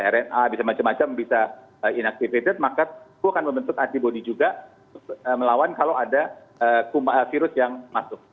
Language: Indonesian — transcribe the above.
rna bisa macam macam bisa inactivated maka itu akan membentuk antibody juga melawan kalau ada virus yang masuk